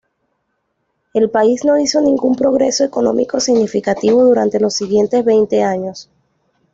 El país no hizo ningún progreso económico significativo durante los siguientes veinte años.